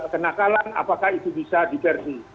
kenakalan apakah itu bisa diversi